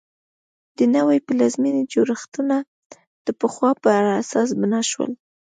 د نوې پلازمېنې جوړښتونه د پخوا پر اساس بنا شول.